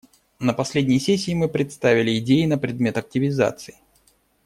На последней сессии мы представили идеи на предмет активизации.